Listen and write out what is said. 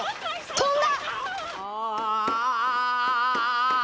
飛んだ！